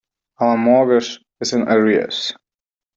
Our mortgage is in arrears.